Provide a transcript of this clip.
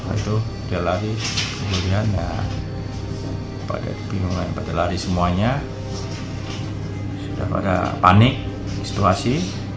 itu dia lari kemudian pada bingungan pada lari semuanya sudah pada panik situasi